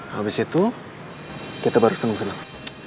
habis itu kita baru senang senang